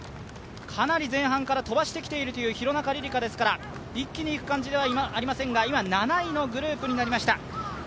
かなり前半から飛ばしてきているという廣中璃梨佳ですから一気にいく感じではありませんが今、７位のグループになりました。